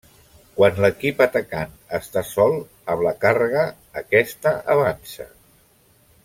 Quan l’equip atacant està sol amb la càrrega, aquesta avança.